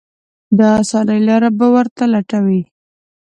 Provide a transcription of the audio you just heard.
د اسانۍ لارې به ورته لټوي.